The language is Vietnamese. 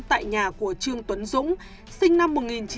tại nhà của trương tuấn dũng sinh năm một nghìn chín trăm bảy mươi sáu